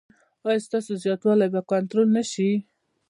ایا ستاسو زیاتوالی به کنټرول نه شي؟